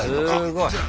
すごい。